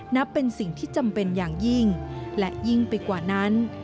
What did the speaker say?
นับเป็นสิ่งที่จำเป็นอย่างยิ่งและยิ่งไปกว่านั้น